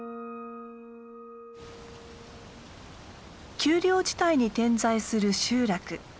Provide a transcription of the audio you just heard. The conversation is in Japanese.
丘陵地帯に点在する集落。